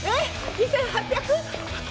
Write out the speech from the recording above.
２８００？